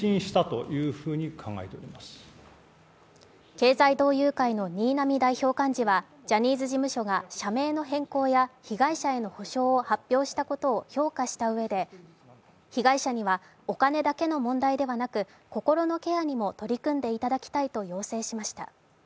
経済同友会の新浪代表幹事は、ジャニーズ事務所が社名の変更や被害者への補償を発表したことを評価したうえで被害者にはお金だけの問題ではなく心のケアにも取り組んでいただきたいと要請しました。